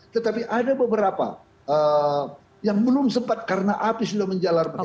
tetapi ada beberapa yang belum sempat karena api sudah menjalar